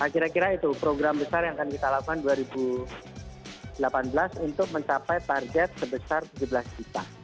kira kira itu program besar yang akan kita lakukan dua ribu delapan belas untuk mencapai target sebesar tujuh belas juta